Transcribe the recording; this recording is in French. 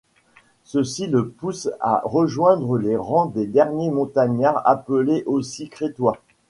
Ceci le pousse à rejoindre les rangs des derniers Montagnards, appelés aussi Crétois.